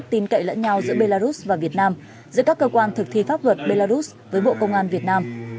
tin cậy lẫn nhau giữa belarus và việt nam giữa các cơ quan thực thi pháp luật belarus với bộ công an việt nam